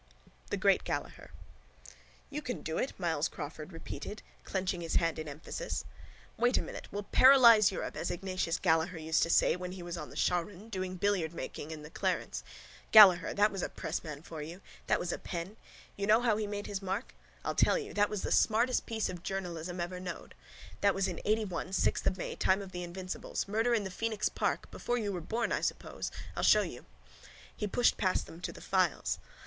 THE GREAT GALLAHER —You can do it, Myles Crawford repeated, clenching his hand in emphasis. Wait a minute. We'll paralyse Europe as Ignatius Gallaher used to say when he was on the shaughraun, doing billiardmarking in the Clarence. Gallaher, that was a pressman for you. That was a pen. You know how he made his mark? I'll tell you. That was the smartest piece of journalism ever known. That was in eightyone, sixth of May, time of the invincibles, murder in the Phoenix park, before you were born, I suppose. I'll show you. He pushed past them to the files.